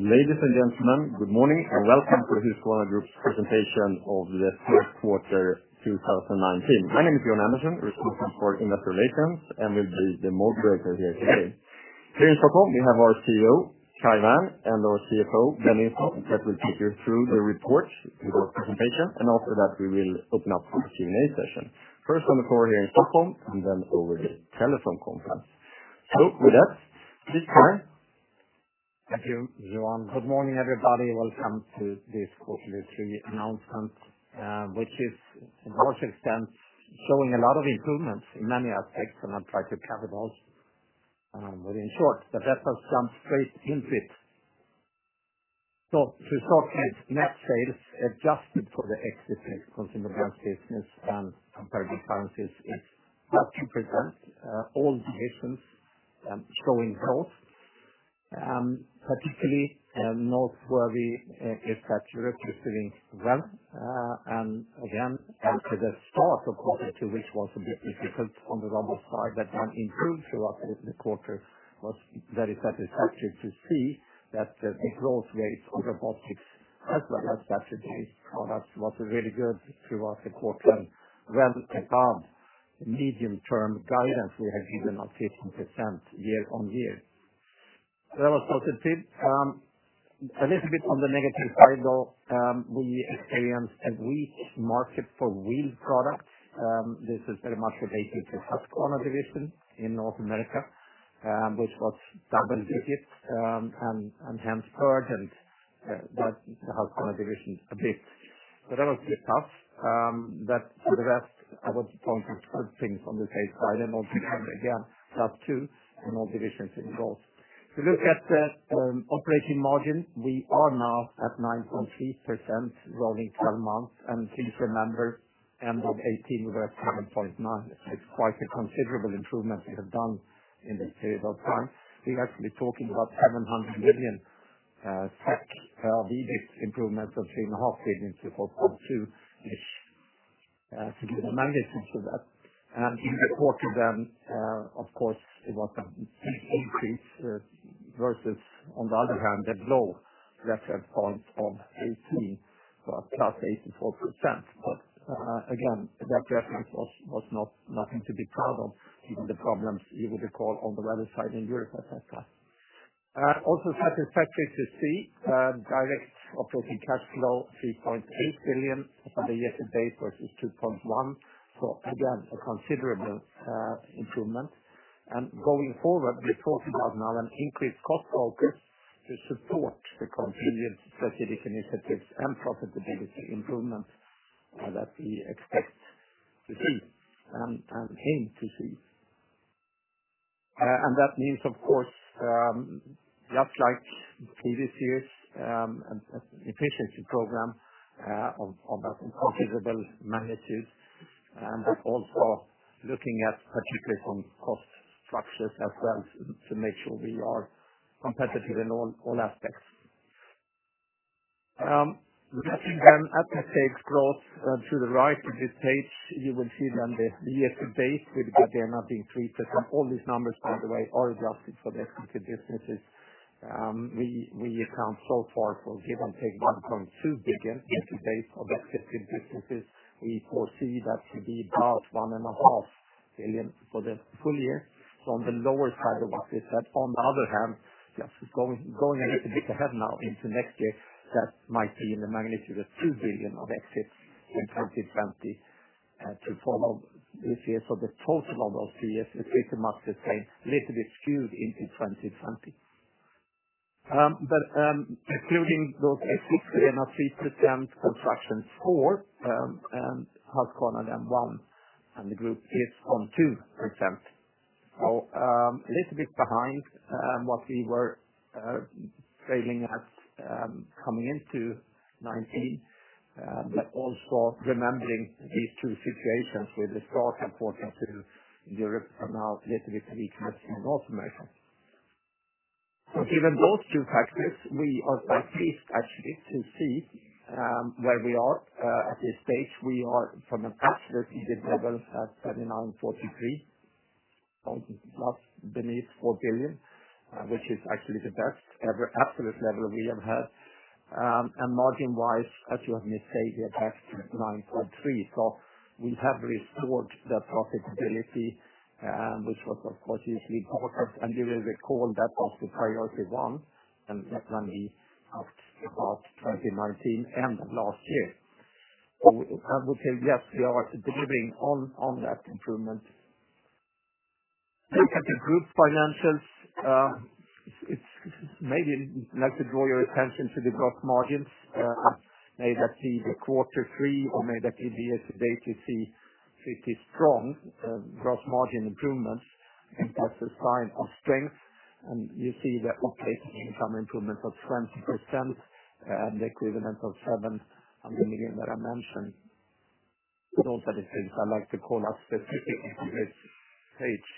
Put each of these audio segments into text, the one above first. Ladies and gentlemen, good morning, and welcome to the Husqvarna Group presentation of the first quarter 2019. My name is Johan Andersson, responsible for investor relations, and will be the moderator here today. Here in Stockholm, we have our CEO, Kai Wärn, and our CFO, Glen Instone, that will take you through the reports with our presentation, and after that, we will open up for the Q&A session, first on the floor here in Stockholm, and then over the telephone conference. With that, please, Kai. Thank you, Johan. Good morning, everybody. Welcome to this quarterly three announcement, which is, in large extent, showing a lot of improvements in many aspects. I'll try to cover those. In short, the results are straight interest. To start with net sales, adjusted for the exit Consumer Brands Division and comparative currencies is 30%. All divisions showing growth. Particularly noteworthy is that Europe is doing well. Again, after the start of quarter two, which was a bit difficult on the robotics side, then improved throughout the quarter, was very satisfactory to see that the growth rate of robotics as well as categories was really good throughout the quarter, well beyond medium-term guidance we had given of 15% year-on-year. That was positive. A little bit on the negative side, though, we experienced a weak market for wheeled products. This is very much related to Husqvarna division in North America, which was double digits, and hence burdened that Husqvarna division a bit. That was a bit tough. For the rest, I was pointing good things on the trade side, and also again, plus two in all divisions involved. If you look at the operating margin, we are now at 9.3% rolling 12 months, and please remember, end of 2018 we were at 7.9%. It is quite a considerable improvement we have done in this period of time. We are actually talking about 700 million tax EBIT improvement of SEK 3.5 billion before Q2, which, to give a magnitude to that. In the quarter then, of course, it was an increase versus, on the other hand, a low reference point of 2018, so +84%. Again, that reference was nothing to be proud of, given the problems you will recall on the weather side in Europe, et cetera. Also satisfactory to see direct operating cash flow, 3.8 billion compared to year-to-date versus 2.1. Again, a considerable improvement. Going forward, we talk about now an increased cost focus to support the continued strategic initiatives and profitability improvements that we expect to see, and aim to see. That means, of course, just like previous years, an efficiency program of that considerable magnitude, but also looking at particularly some cost structures as well to make sure we are competitive in all aspects. Looking at inaudible growth to the right of this page, you will see the year-to-date with the inaudible increase. All these numbers, by the way, are adjusted for the exited businesses. We account so far for give or take 1.2 billion year-to-date of exited businesses. We foresee that to be about 1.5 billion for the full year, on the lower side of what we said. On the other hand, just going a little bit ahead now into next year, that might be in the magnitude of 2 billion of exits in 2020 to follow this year. The total of those years is pretty much the same, a little bit skewed into 2020. Excluding those exits, we are now 3% Construction core, and Husqvarna then 1%, and the group is on 2%. A little bit behind what we were failing at coming into 2019, but also remembering these two situations with the strong performance in Europe, and now a little bit weakness in North America. Given those two factors, we are pleased actually to see where we are at this stage. We are from an absolute EBIT level at 3,943, just beneath 4 billion, which is actually the best ever absolute level we have had. Margin-wise, as you have me say, we are back to 9.3%. We have restored that profitability, which was, of course, hugely important, and you will recall that was the priority 1, and that when we talked about 2019 end of last year. I would say yes, we are delivering on that improvement. Looking at the group financials, maybe I'd like to draw your attention to the gross margins. May that be the quarter three or may that be year-to-date, you see pretty strong gross margin improvements. That's a sign of strength. You see the operating income improvement of 20%, and the equivalent of 700 million that I mentioned. Those are the things I like to call out specifically on this page.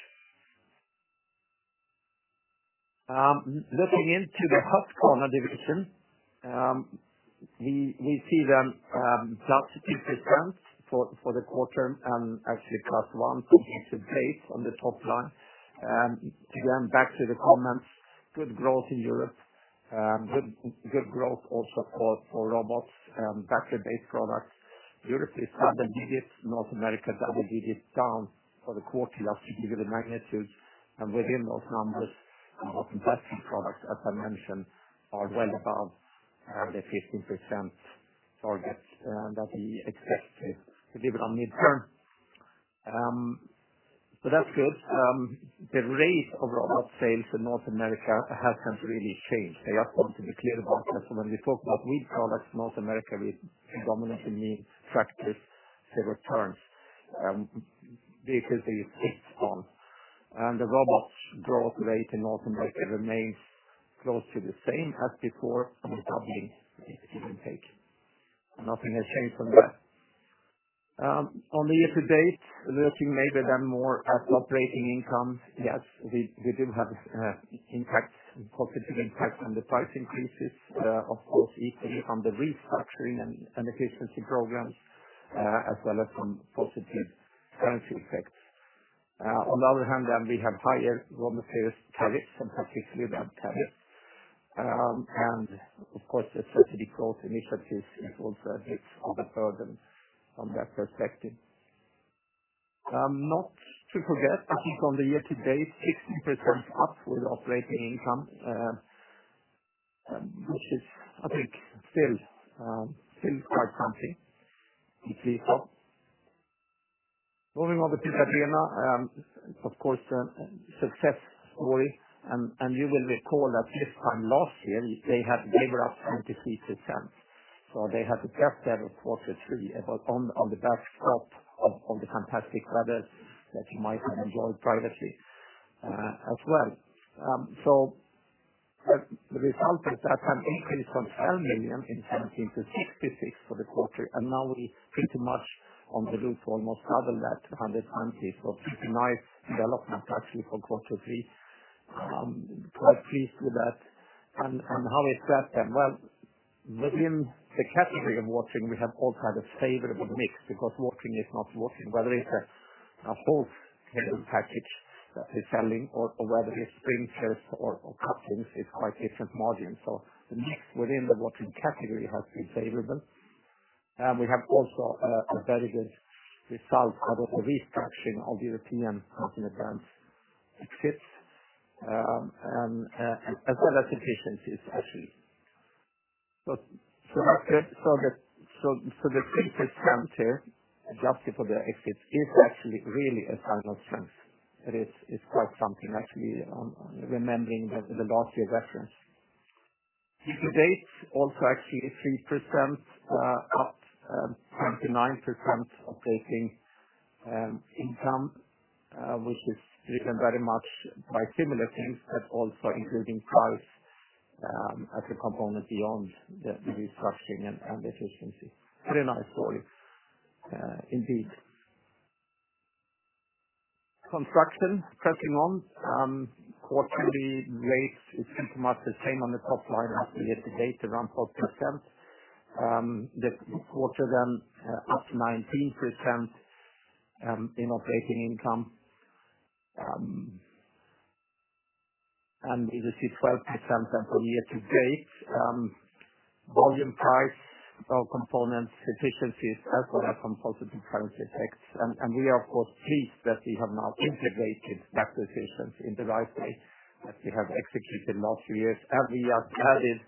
Looking into the Husqvarna division. We see them plus 2% for the quarter and actually plus one for year-to-date on the top line. Back to the comments, good growth in Europe. Good growth also for robots and battery-based products. Europe is double digits, North America double digits down for the quarter, roughly similar magnitudes. Within those numbers, important battery products, as I mentioned, are well above the 15% target that we expected to deliver on mid-term. That's good. The rate of robot sales in North America hasn't really changed. I just want to be clear about that. When we talk about wheeled products, North America, we predominantly mean tractors that return, basically it's based on. The robots growth rate in North America remains close to the same as before, probably give or take. Nothing has changed from there. On the year to date, looking maybe then more at operating income. Yes, we do have positive impact from the price increases, of course, easily from the restructuring and efficiency programs, as well as from positive currency effects. On the other hand, we have higher raw material tariffs, and particularly that tariff. Of course, the strategic growth initiatives also takes other burdens from that perspective. Not to forget, at least on the year to date, 16% up with operating income, which is, I think, still quite something. It's moving on. Moving over to Gardena, of course, a success story. You will recall that this time last year, they had given up 23 to 10. They had a gap there of quarter three, on the backdrop of the fantastic weather that you might have enjoyed privately as well. The result is that an increase from [11 million] in 2017 to 66 for the quarter, and now we pretty much on the route to almost double that [100 million]. It's a nice development, actually, for quarter three. Quite pleased with that. How is that then? Well, within the category of Watering, we have also had a favorable mix because Watering is not Watering, whether it's a whole garden package that we're selling or whether it's sprinklers or cuttings, it's quite different margin. The mix within the Watering category has been favorable. We have also a very good result out of the restructuring of the European continent brands exits, as well as efficiency actually. The 3% here, adjusted for the exits, is actually really a sign of strength, that it's quite something actually, remembering the last year reference. Year to date, also actually 3% up, 29% operating income, which is driven very much by similar things, but also including price as a component beyond the restructuring and efficiency. Very nice story indeed. Construction, pressing on. Quarterly rates, it's pretty much the same on the top line as the year to date, around 12%. This quarter up 19% in operating income, and we will see 12% then for year to date. Volume price components, efficiencies, as well as from positive currency effects. We are, of course, pleased that we have now integrated acquisitions in the right way, that we have executed in last few years. We have added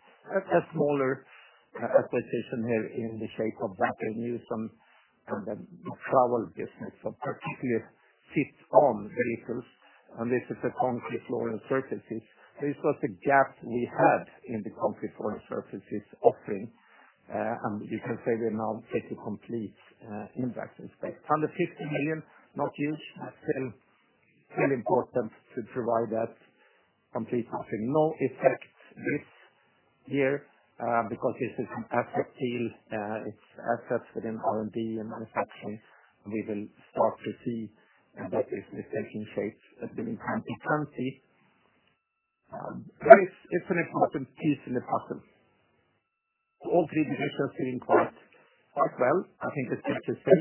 a smaller acquisition here in the shape of Wacker Neuson, the trowel business. Particularly fits on vehicles, and this is the concrete flooring surfaces. This was a gap we had in the concrete flooring surfaces offering, and you can say we now take a complete impact in space. Under 50 million, not huge, but still important to provide that complete offering. No effect this year because this is an asset deal. It's assets within R&D and manufacturing. We will start to see that it is taking shape during 2020. It's an important piece in the puzzle. All three divisions doing quite well, I think it's safe to say.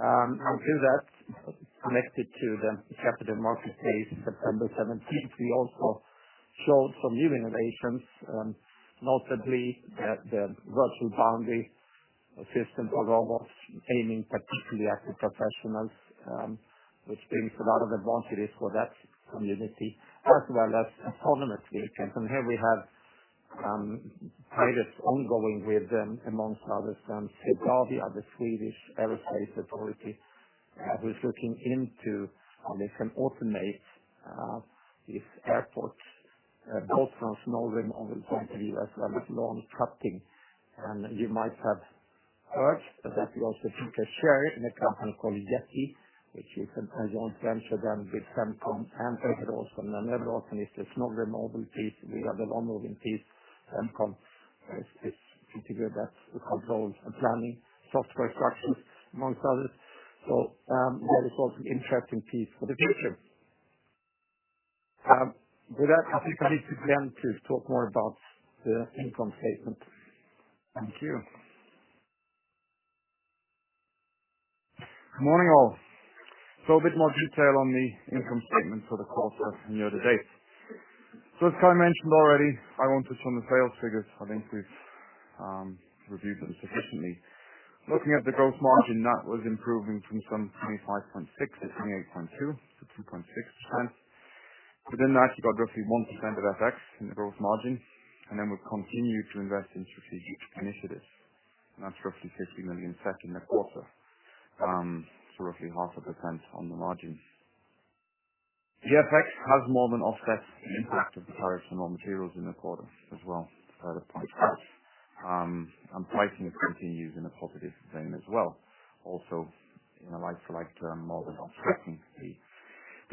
Through that, connected to the Capital Markets Day, September 17th, we also showed some new innovations, notably the virtual boundary assistant for robots, aiming particularly at the professionals, which brings a lot of advantages for that community, as well as autonomous vehicles. Here we have pilots ongoing with, amongst others, Swedavia, the Swedish aerospace authority, who is looking into how they can automate its airports, both from snow removal point of view as well as lawn cutting. You might have heard that we also took a share in a company called Yeti, which is a joint venture then with Øveraasen. Øveraasen is the snow removal piece. We have the lawn mowing piece, and together we have roles and planning, software structures, amongst others. That is also interesting piece for the future, with that, I think I need to turn to talk more about the income statement. Thank you. Morning all. A bit more detail on the income statement for the quarter and year-to-date. As Kai mentioned already, I won't touch on the sales figures. I think we've reviewed them sufficiently. Looking at the gross margin, that was improving from some 25.6% to 28.2%, so 2.6%. Within that, you've got roughly 1% of FX in the gross margin, and then we've continued to invest in strategic initiatives. That's roughly 50 million SEK in the quarter, so roughly 0.5% on the margin. The FX has more than offset the impact of the tariffs on raw materials in the quarter as well, to point out. Pricing has continued in a positive vein as well. Also in a like-to-like term, more than offsetting the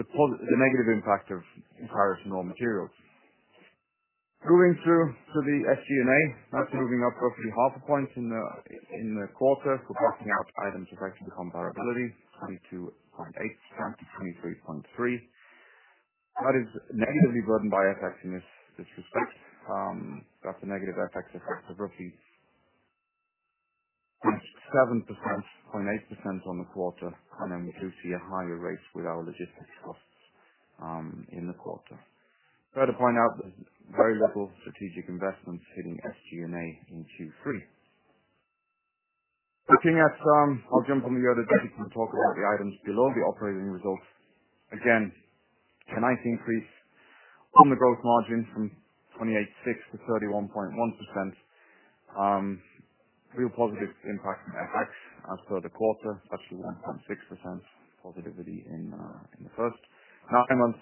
negative impact of increased raw materials. Moving through to the SG&A, that's moving up roughly half a point in the quarter for blocking out items affecting the comparability, 22.8 to 23.3. That is negatively burdened by FX in this respect. That's a negative FX effect of roughly 7%, 0.8% on the quarter. Then we do see a higher rate with our logistics costs in the quarter. I've got to point out there's very little strategic investments hitting SG&A in Q3. I'll jump on the year-to-date and talk about the items below the operating results. A nice increase on the gross margin from 28.6 to 31.1%. Real positive impact from FX as per the quarter, actually 1.6% positivity in the first nine months.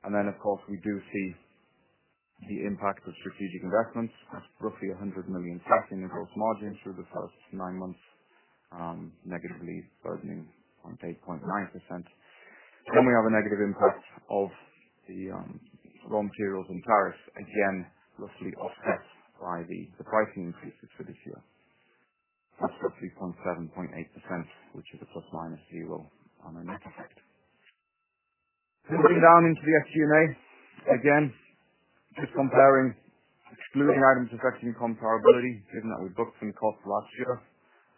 Of course, we do see the impact of strategic investments, roughly 100 million in gross margins through the first nine months, negatively burdening 0.8%-0.9%. We have a negative impact of the raw materials and tariffs, again, roughly offset by the pricing increases for this year. That's roughly 0.7%-0.8%, which is a ±0 on a net effect. Moving down into the SG&A, again, just comparing, excluding items affecting comparability, given that we booked some costs last year.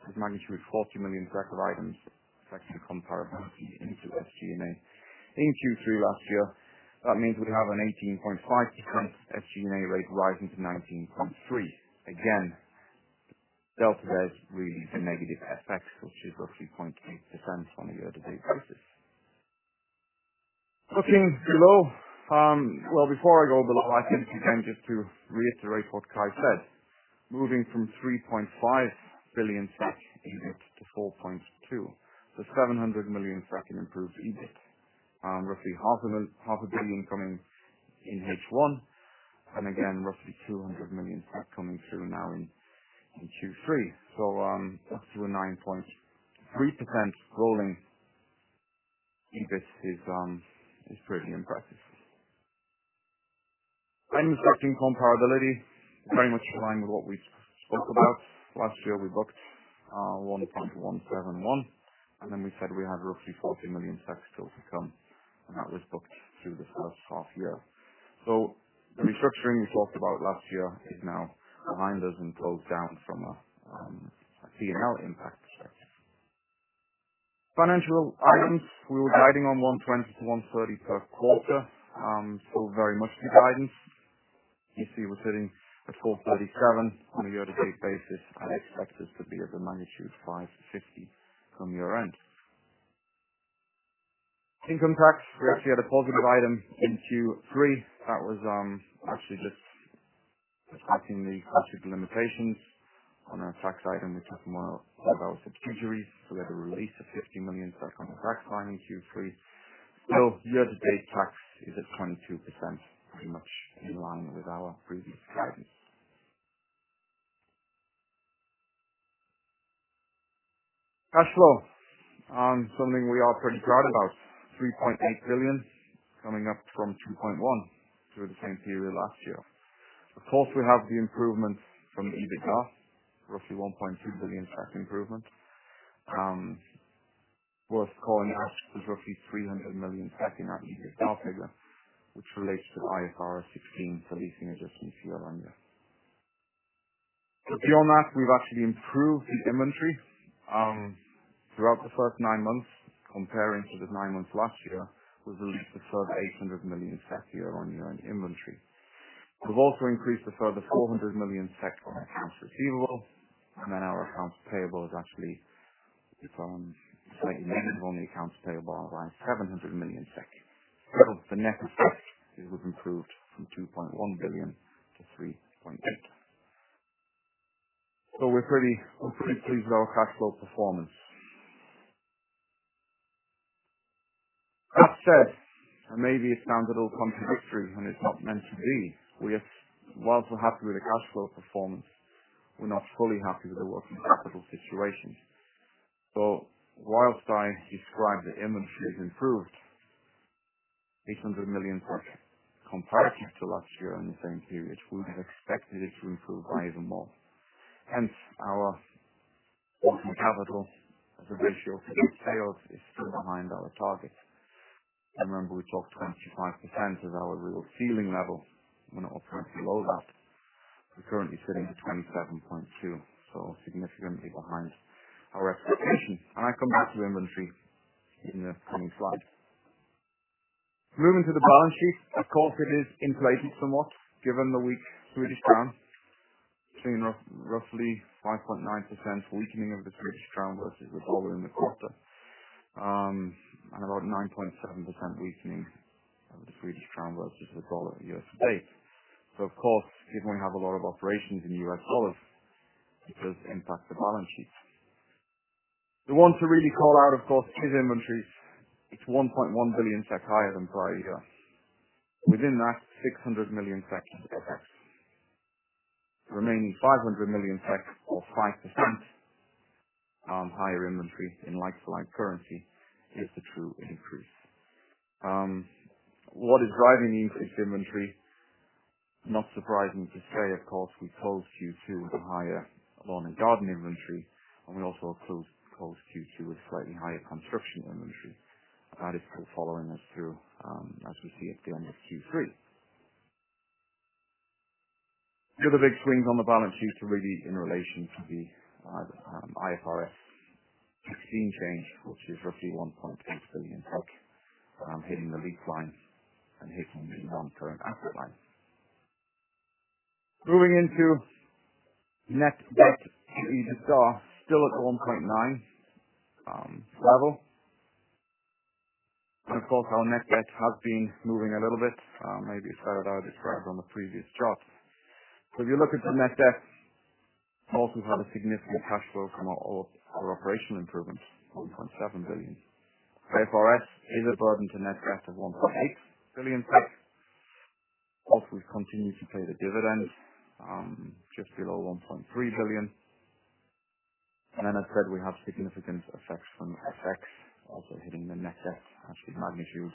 There's magnitude SEK 40 million of items affecting the comparability into SG&A. In Q3 last year, that means we have an 18.5% SG&A rate rising to 19.3%. Again, delta there is really the negative FX, which is roughly 0.8% on a year-to-date basis. Looking below. Before I go below, I think I can just reiterate what Kai said. Moving from 3.5 billion SEK in EBIT to 4.2 billion. 700 million SEK in improved EBIT. Roughly half a billion SEK coming in H1, and again, roughly 200 million SEK coming through now in Q3. Up to a 9.3% growing EBIT is pretty impressive. Restructuring comparability, very much in line with what we spoke about. Last year, we booked 1.171, and then we said we had roughly 40 million still to come, and that was booked through the first half year. The restructuring we talked about last year is now behind us and closed down from a P&L impact perspective. Financial items, we were guiding on 120 to 130 per quarter. Still very much in guidance. You see we're sitting at 437 on a year-to-date basis. I expect this to be of the magnitude 550 from year-end. Income tax, we actually had a positive item in Q3. That was actually just recognizing the tax limitations on our tax item with some of our subsidiaries. We had a release of 50 million on the tax line in Q3. Year-to-date tax is at 22%, very much in line with our previous guidance. Cash flow, something we are pretty proud about, 3.8 billion, coming up from 2.1 billion through the same period last year. Of course, we have the improvements from the EBITDA, roughly 1.2 billion improvement. Worth calling out, there's roughly 300 million in that EBITDA figure, which relates to IFRS 16, the leasing adjustments year-on-year. Beyond that, we've actually improved the inventory. Throughout the first nine months comparing to the nine months last year, we've released a further 800 million SEK year-on-year in inventory. We've also increased a further 400 million SEK on accounts receivable, and then our accounts payable is actually negative on the accounts payable around 700 million. The net effect is we've improved from 2.1 billion to 3.8 billion. We're pretty pleased with our cash flow performance. That said, and maybe it sounds a little contradictory, and it's not meant to be. Whilst we're happy with the cash flow performance, we're not fully happy with the working capital situation. Whilst I describe the inventory has improved 800 million compared to last year in the same period, we had expected it to improve by even more, hence our working capital as a ratio to good sales is still behind our target. Remember, we talked 25% is our real ceiling level, and we're currently below that. We're currently sitting at 27.2%. Significantly behind our expectation, and I come back to the inventory in the coming slide. Moving to the balance sheet, of course, it is inflated somewhat given the weak Swedish crown. Seeing roughly 5.9% weakening of the Swedish crown versus the U.S. dollar in the quarter, and around 9.7% weakening of the Swedish crown versus the U.S. dollar year-to-date. Of course, given we have a lot of operations in the U.S. dollar, it does impact the balance sheet. The one to really call out, of course, is inventory. It is 1.1 billion SEK higher than prior year. Within that, 600 million SEK is FX. Remaining 500 million SEK or 5% higher inventory in like-for-like currency is the true increase. What is driving these is inventory. Not surprising to say, of course, we closed Q2 with higher lawn and garden inventory, and we also closed Q2 with slightly higher construction inventory. That is still following us through as we see at the end of Q3. The other big swings on the balance sheet are really in relation to the IFRS exchange change, which is roughly 1.8 billion, hitting the lease line and hitting the non-current asset line. Moving into net debt, as you just saw, still at the 1.9 level. Of course, our net debt has been moving a little bit. Maybe it's better that I describe on the previous chart. If you're looking for net debt, also have a significant cash flow from our operational improvement, 1.7 billion. IFRS is a burden to net debt of 1.8 billion. We've continued to pay the dividends, just below 1.3 billion. As I said, we have significant effects from FX also hitting the net debt, actually magnitude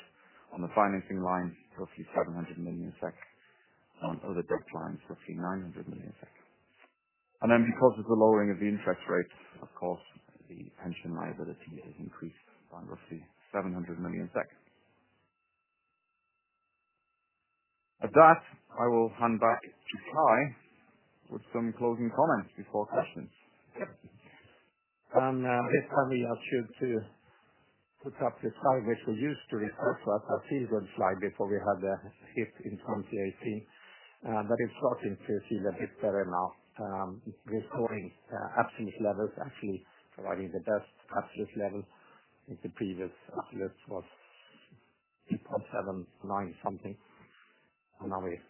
on the financing line, roughly 700 million, on other debt lines, roughly 900 million. Because of the lowering of the interest rate, of course, the pension liability has increased by roughly 700 million. At that, I will hand back to Kai with some closing comments before questions. If I may, I should put up the slide which we used to refer to as our season slide before we had the hit in 2018. It's starting to seem a bit better now. We're recording absolute levels, actually providing the best absolute levels since the previous absolute was 3.79 something. Now we're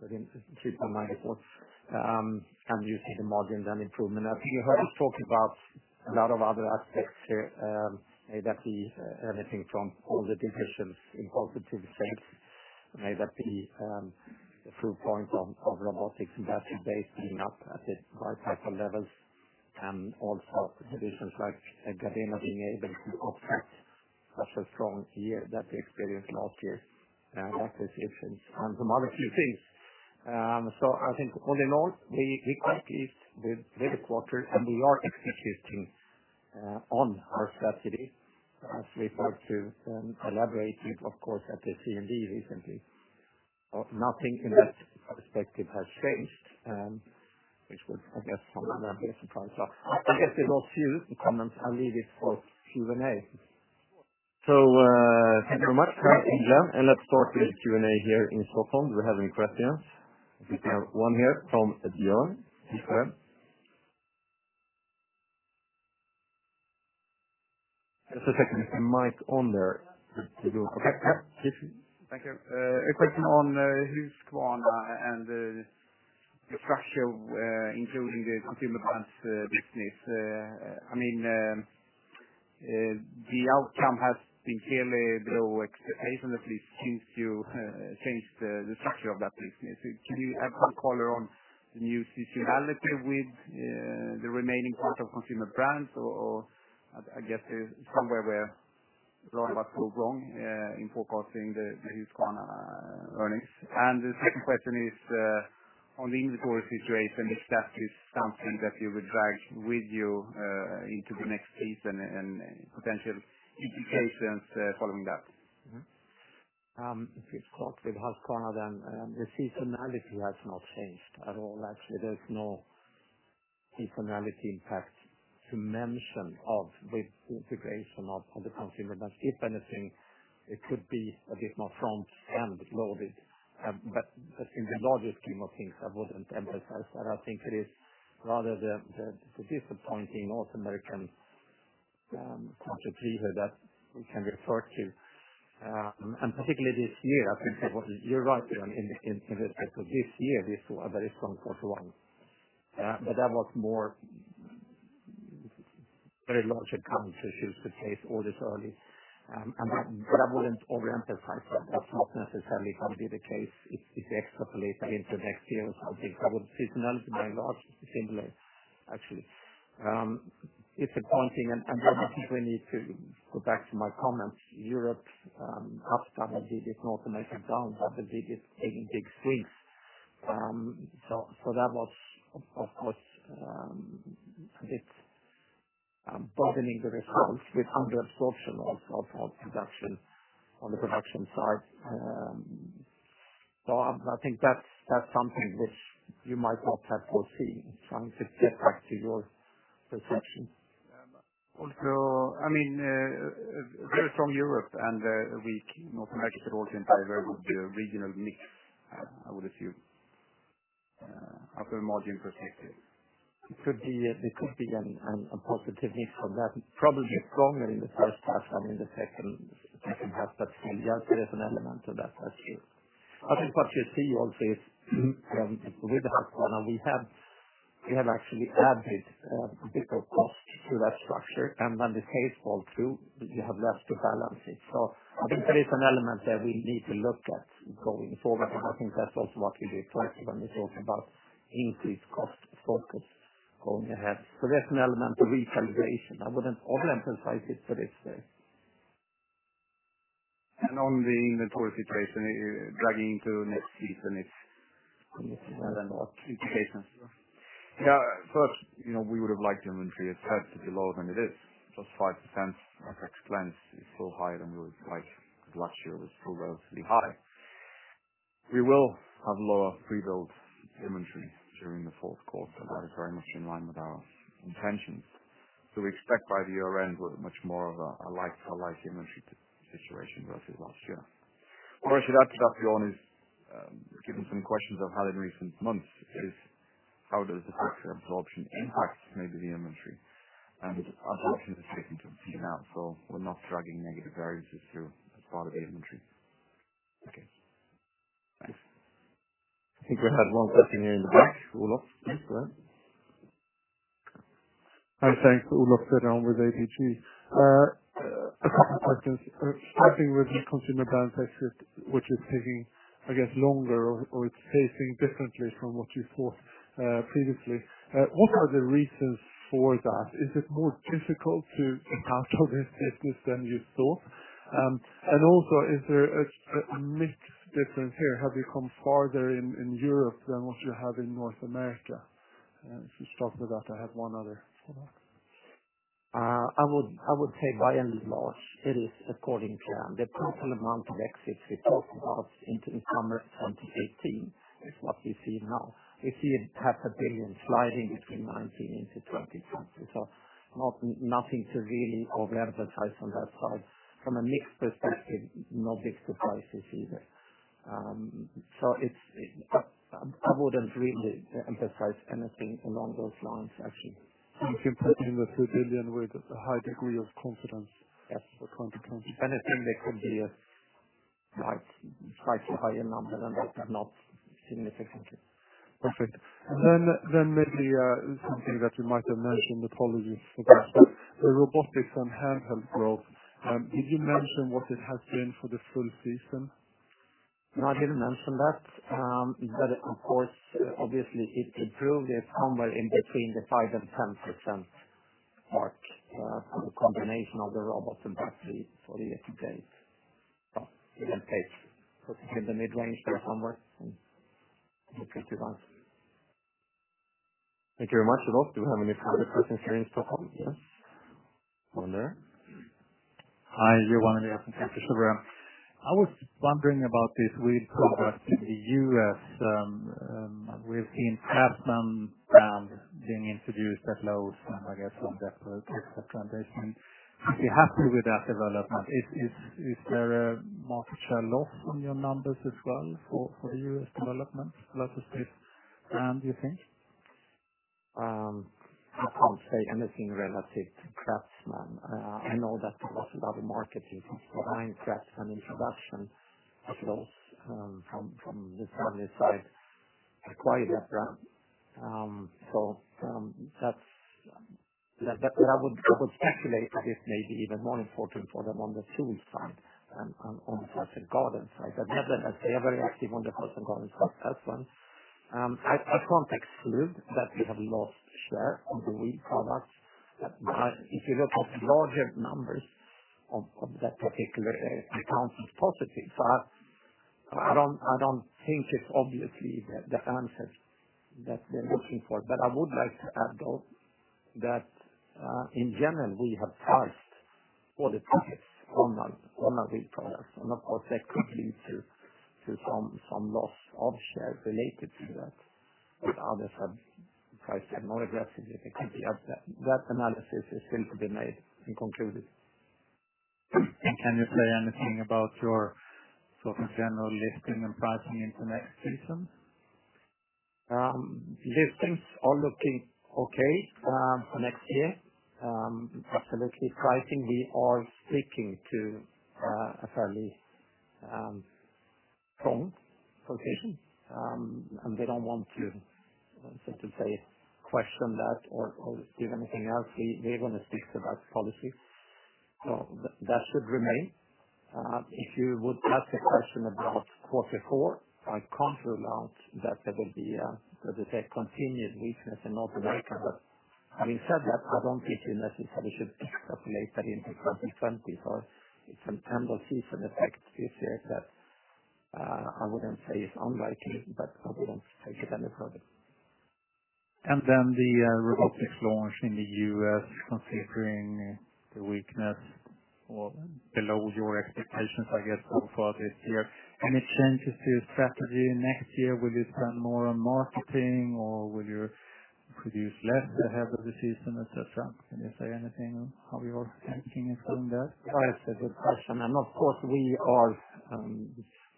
sitting at 3.94. You see the margin then improvement. As you heard us talk about a lot of other aspects here, may that be anything from all the divisions in positive shape, may that be the proof point of robotics and battery products being up at historical levels, and also divisions like Gardena being able to offset such a strong year that they experienced last year, that division and some other few things. I think all in all, we quite pleased with the quarter and we are executing on our strategy as we thought to elaborate with, of course, at the CMD recently. Nothing in that perspective has changed. I guess with those few comments, I leave it for Q&A. Thank you very much, Kai and Glen. Let's start with Q&A here in Stockholm. Do we have any questions? I think we have one here from Björn. Please go ahead. Just a second. Is the mic on there? Thank you. A question on Husqvarna and the structure, including the consumer brands business. The outcome has been clearly below expectations at least since you changed the structure of that business. Can you add some color on the new seasonality with the remaining part of consumer brands? I guess somewhere where, Björn, what went wrong in forecasting the Husqvarna earnings? The second question is on the inventory situation, if that is something that you would drag with you into the next season and potential indications following that. To be short with Husqvarna, the seasonality has not changed at all. Actually, there's no seasonality impact to mention of the integration of the Consumer Brands. If anything, it could be a bit more front-end loaded. In the larger scheme of things, I wouldn't emphasize that. I think it is rather the disappointing North American contribution that we can refer to, and particularly this year. You're right, Björn, in the aspect of this year, this was a very strong quarter one. That was more very large account issues with late orders early. I wouldn't overemphasize that. That's not necessarily going to be the case if you extrapolate into next year. I think seasonality by large is similar, actually. Disappointing, and I think we need to go back to my comments. Europe, Husqvarna did it, North America down, that was the big swing. That was, of course, a bit broadening the results with under-absorption of production on the production side. I think that's something which you might not have foreseen. I want to get back to your perception. Very strong Europe and a weak North America overall in terms of regional mix, I would assume, after margin protected. There could be a positive hit from that. Probably stronger in the first half than in the second half. Still, yes, there's an element of that's true. I think what you see also is, with that one, we have actually added a bit of cost to that structure. When the case falls through, you have less to balance it. I think there is an element there we need to look at going forward. I think that's also what you reflect when you talk about increased cost focus going ahead. There's an element of recalibration. I wouldn't overemphasize it for this day. On the inventory situation, dragging into next season. Yes. What? Yeah. First, we would have liked the inventory itself to be lower than it is. Plus 5%, as explained, is still higher than we would like last year, was still relatively high. We will have lower pre-build inventory during the fourth quarter. That is very much in line with our intentions. We expect by the year-end, we're at much more of a light inventory situation versus last year. Whereas to add to that, Johan, is given some questions I've had in recent months, is how does the fixed absorption impact maybe the inventory? Our absorption is taken care of now, so we're not dragging negative variances through as part of the inventory. Okay. Thanks. I think we had one question here in the back. Olof? Yes, go ahead. Hi, thanks. Olof Fredriksson with ABG. A couple of questions. Starting with the Consumer Brands exit, which is taking longer or it's pacing differently from what you thought previously. What are the reasons for that? Is it more difficult to get out of this business than you thought? Is there a mix difference here? Have you come farther in Europe than what you have in North America? If you stop with that, I have one other. I would say by and large, it is according to plan. The total amount of exits we talked about into summer 2018 is what we see now. We see SEK half a billion sliding between 2019 into 2020. Nothing to really overemphasize on that side. From a mix perspective, no big surprises either. I wouldn't really emphasize anything along those lines, actually. I'm comparing the 2 billion with a high degree of confidence. Yes. With high confidence. Anything that could be a quite higher number than that are not significant. Perfect. Maybe something that you might have mentioned, apologies for that. The robotics and handheld growth, did you mention what it has been for the full season? No, I didn't mention that. Of course, obviously it improved. It's somewhere in between the 5% and 10% mark from the combination of the robots and batteries for the year to date. You can take in the mid-range there somewhere. I think that's about it. Thank you very much, Olof. Do we have any further questions here in Stockholm? Yes. One there. Hi, Johan Eliason, Kepler Cheuvreux. I was wondering about this lead progress in the U.S. We've seen CRAFTSMAN brand being introduced at Lowe's and I guess from that perspective and they seem pretty happy with that development. Is there a market share loss on your numbers as well for U.S. development, let us say, brand, do you think? I can't say anything relative to CRAFTSMAN. I know that there was a lot of marketing behind CRAFTSMAN introduction at Lowe's from the family side acquired that brand. I would speculate this may be even more important for them on the tools side than on the garden side. They are very active on the garden side with CRAFTSMAN. I can't exclude that we have lost share on the weed products. If you look at larger numbers of that particular account, it's positive. I don't think it's obviously the answer that we're looking for. I would like to add, though, that in general, we have priced all the tickets on our retailers, and of course, that could lead to some loss of share related to that. Others have priced more aggressively. That analysis is still to be made and concluded. Can you say anything about your general listing and pricing into next season? Listings are looking okay for next year. Luckily, pricing, we are sticking to a fairly strong quotation, and we don't want to question that or give anything else. We want to stick to that policy. That should remain. If you would ask a question about quarter four, I can't rule out that there will be a continued weakness in North America, but having said that, I don't think it is necessary that we should extrapolate that into 2020, for it's a temporal season effect this year that I wouldn't say is unlikely, but I wouldn't take it any further. The robotics launch in the U.S., considering the weakness or below your expectations, I guess, so far this year. Any changes to your strategy next year? Will you spend more on marketing or will you produce less ahead of the season, et cetera? Can you say anything on how you're thinking of doing that? That's a good question. Of course, we are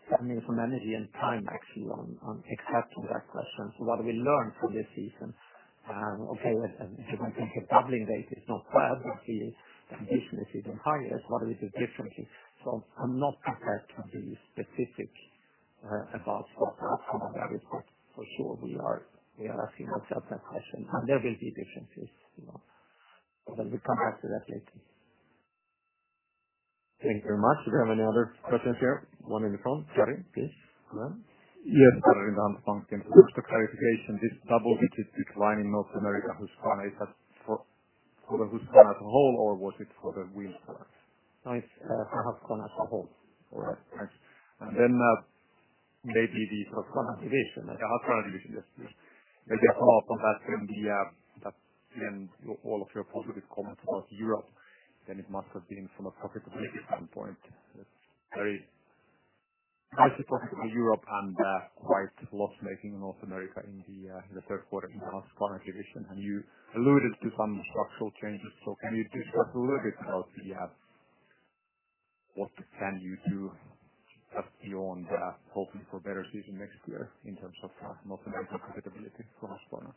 spending some energy and time actually on accepting that question. What we learned from this season, okay, if I think the doubling date is not quite what it is, and this season higher, what do we do differently? I'm not prepared to be specific about that. For sure, we are asking ourselves that question, and there will be differences. We come back to that later. Thank you very much. Do we have any other questions here? One in the front. Gary, please go on. Yes. Just a clarification. This double-digit decline in North America Husqvarna, is that for the Husqvarna as a whole, or was it for the wheeled products? No, it's for Husqvarna as a whole. All right, thanks. Maybe the Husqvarna division. The Husqvarna division, yes please. Maybe apart from that, in all of your positive comments about Europe, then it must have been from a profitability standpoint. Very nice profitability in Europe and quite loss-making in North America in the third quarter in the Husqvarna division. You alluded to some structural changes. Can you discuss a little bit about what can you do beyond hoping for a better season next year in terms of North America profitability for Husqvarna?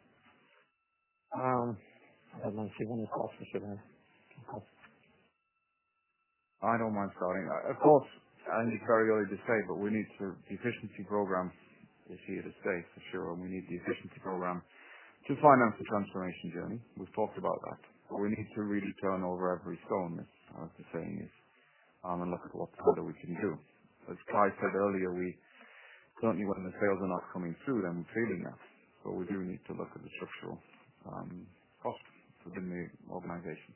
I don't know. Glen, you want to answer that? I don't mind starting. Of course, it's very early to say, we need the efficiency program is here to stay for sure, and we need the efficiency program to finance the transformation journey. We've talked about that. We need to really turn over every stone, as the saying is, and look at what further we can do. As Kai said earlier, certainly when the sales are not coming through, then we're feeling that. We do need to look at the structural costs within the organization.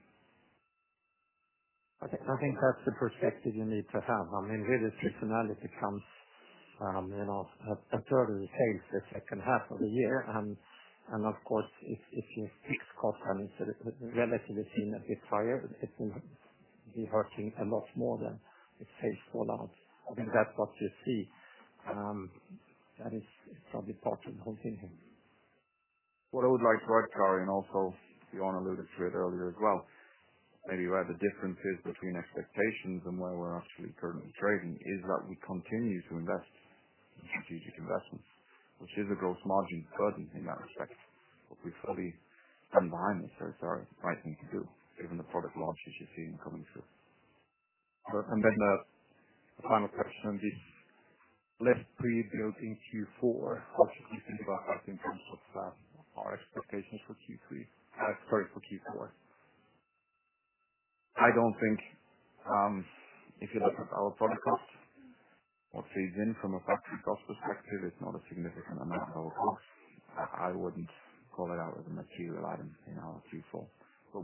I think that's the perspective you need to have. I mean, really, seasonality comes a third of the sales the second half of the year, and of course, if your fixed cost and it's relatively seen a bit higher, it will be hurting a lot more than the sales fallout. I think that's what you see. That is probably part of the whole thing here. What I would like to add, Gary, also Johan alluded to it earlier as well, maybe where the difference is between expectations and where we're actually currently trading, is that we continue to invest in strategic investments, which is a gross margin burden in that respect. We fully stand behind it's the right thing to do given the product launches you're seeing coming through. The final question, this less pre-built in Q4, what should we think about that in terms of our expectations for Q4? I don't think, if you look at our product cost, what feeds in from a factory cost perspective, it's not a significant amount of costs. I wouldn't call it out as a material item in our Q4.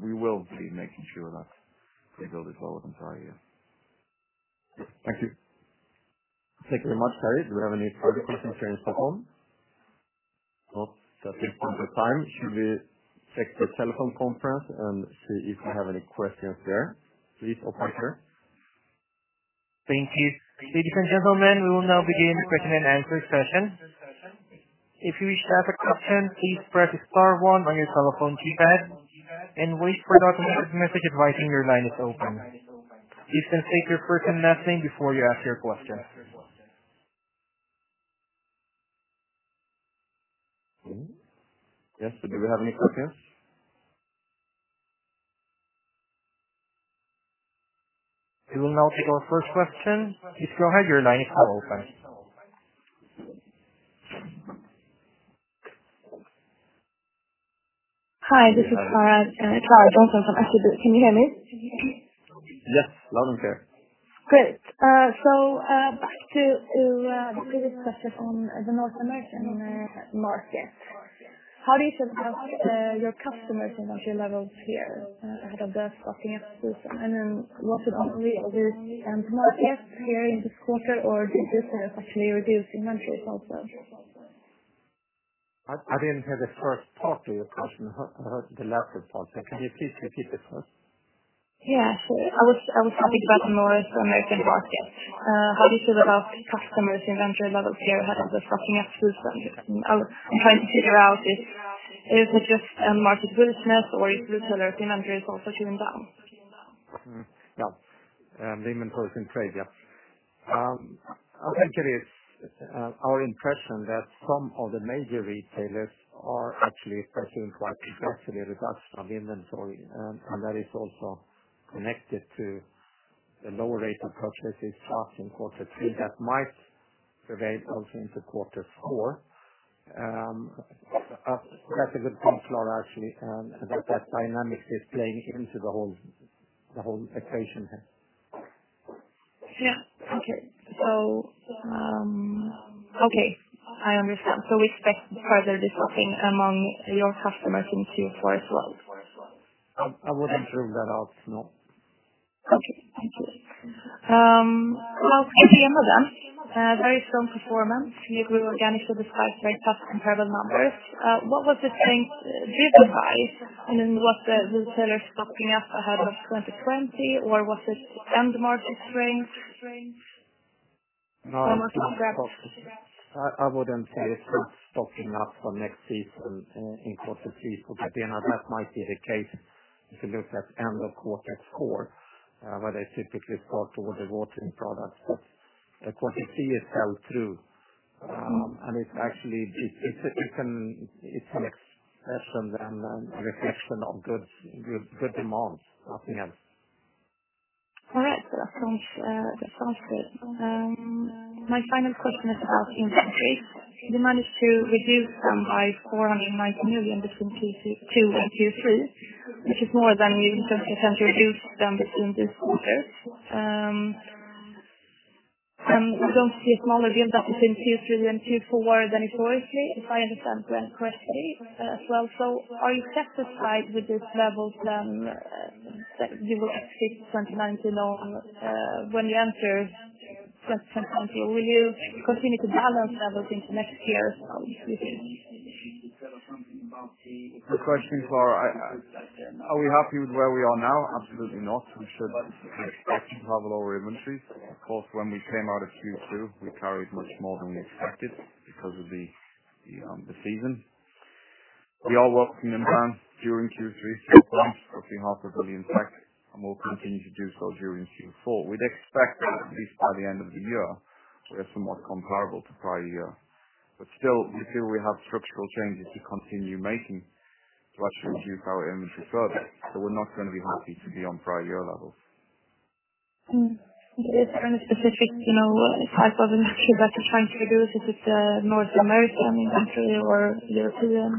We will be making sure that we build it well the entire year. Thank you. Thank you very much, Gary. Do we have any further questions here on the phone? No. Just checking on the time. Should we check the telephone conference and see if we have any questions there? Please, operator. Thank you. Ladies and gentlemen, we will now begin the question and answer session. If you wish to ask a question, please press star one on your telephone keypad and wait for an automated message advising your line is open. Please state your person last name before you ask your question. Yes. Do we have any questions? We will now take our first question. Please go ahead. Your line is now open. Hi, this is Clara Johnson from SEB. Can you hear me? Yes. Loud and clear. Great. Back to this discussion on the North American market. How do you feel about your customers' inventory levels here ahead of the stocking season? Was it only this end market here in this quarter, or did this actually reduce inventory also? I didn't hear the first part of your question. I heard the latter part there. Can you please repeat it for us? Yeah. I was talking about the North American market. How do you feel about customers' inventory levels here ahead of the stocking up season? I'm trying to figure out if it's just end market business or if the retailer inventory is also chilling down. Yeah. The inventory trade, yeah. Actually, our impression that some of the major retailers are actually pursuing quite successfully reduction of inventory, and that is also connected to the lower rate of purchases starting quarter three, that might prevail also into quarter four. That's a good point, Clara, actually, that dynamics is playing into the whole equation here. Yeah. Okay. I understand. We expect further discounts among your customers in Q4 as well? I wouldn't rule that out, no. Okay. Thank you. Well, very strong performance. You grew organically despite very tough comparable numbers. What was the strength driven by? Was the retailer stocking up ahead of 2020, or was it end market strength? No, I wouldn't say it's stocking up for next season in quarter three. That might be the case if you look at end of quarter four, where they typically stock all the watering products. What you see is sell through. It's an expression than a reflection of good demand, nothing else. All right. That sounds good. My final question is about inventory. You managed to reduce them by 490 million between Q2 and Q3, which is more than you intend to reduce them between this quarter. You don't see a smaller build-up between Q3 and Q4 than historically, if I understand the question as well. Are you satisfied with these levels, then you will exit 2019 on when you enter 2020? Will you continue to balance levels into next year as well? The question is, are we happy with where we are now? Absolutely not. We should have a lower inventory. When we came out of Q2, we carried much more than we expected because of the season. We are working them down during Q3, 400 billion-500 billion back, and we'll continue to do so during Q4. We'd expect at least by the end of the year, we are somewhat comparable to prior year. Still, we feel we have structural changes to continue making to actually reduce our inventory further. We're not going to be happy to be on prior year levels. Is there any specific type of inventory that you're trying to reduce? Is it the North American inventory or European?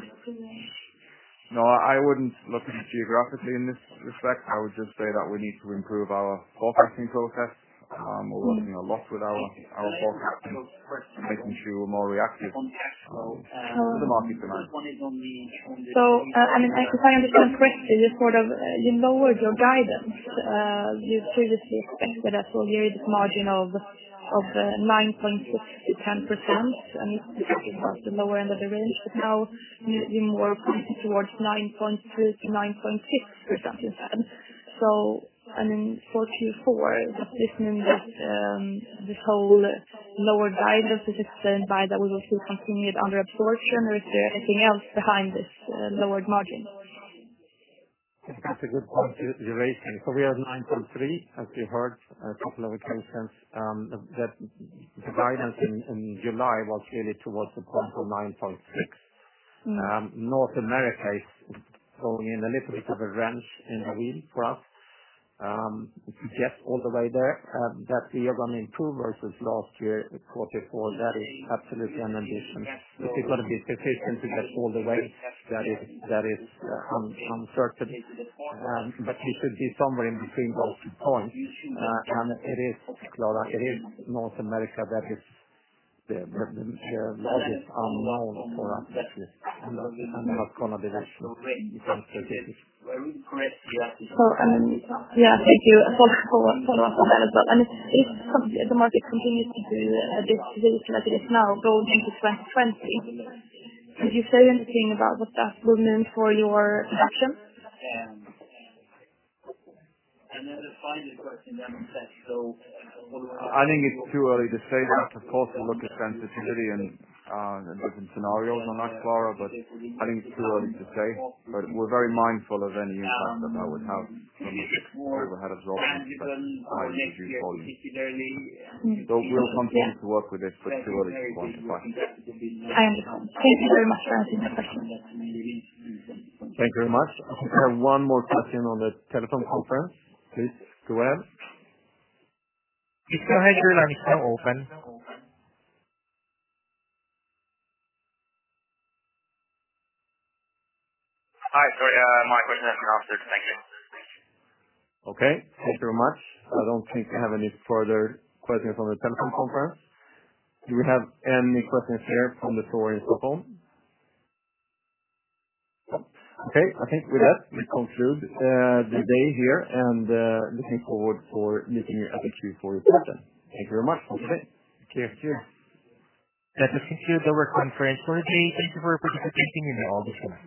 No, I wouldn't look at it geographically in this respect. I would just say that we need to improve our forecasting process. We're working a lot with our forecasting, making sure we're more reactive to the market demand. If I understand correctly, you lowered your guidance. You previously expected a full-year margin of 9.6%-10%, and you talked about the lower end of the range, but now you're more towards 9.3%-9.6%. For Q4, does this mean that this whole lower guidance, is it driven by that we will see continued under absorption, or is there anything else behind this lowered margin? That's a good point you're raising. We are at 9.3, as we heard a couple of occasions, that the guidance in July was really towards the top of 9.6. North America is going in a little bit of a wrench in the wheel for us. If you get all the way there, that we are going to improve versus last year Q4, that is absolutely an addition. If you want to be specific and to get all the way, that is uncertain. We should be somewhere in between those two points. It is, Clara, North America that is the largest unknown for us this year, and we're not going to be able to answer this. Yeah, thank you. A follow-up on that as well. If the market continues to do this rate that it is now going into 2020, could you say anything about what that will mean for your production? I think it's too early to say that. Of course, we look at sensitivity and different scenarios on that, Clara, I think it's too early to say. We're very mindful of any impact that that would have from the overhead absorption if we have high reduced volumes. We'll continue to work with it, but too early to quantify. I understand. Thank you very much for answering my question. Thank you very much. We have one more question on the telephone conference. Please go ahead. Hi, Julian. It's now open. Hi. Sorry, my question has been answered. Thank you. Okay. Thank you very much. I don't think we have any further questions on the telephone conference. Do we have any questions here from the floor in Stockholm? Okay. I think with that, we conclude the day here and looking forward for meeting you at the Q4 presentation. Thank you very much. Have a good day. Thank you. That concludes our conference call today. Thank you for participating, and you may all disconnect.